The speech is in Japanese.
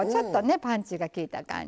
パンチがきいた感じ。